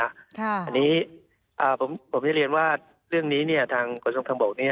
อันนี้ผมได้เรียนว่าเรื่องนี้ทางกฎสมทางบก